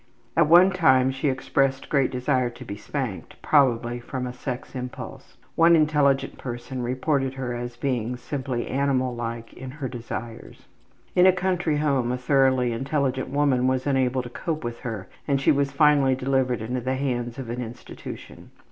At one time she expressed great desire to be spanked, probably from a sex impulse. One intelligent person reported her as being simply animal like in her desires. In a country home a thoroughly intelligent woman was unable to cope with her and she was finally delivered into the hands of an institution.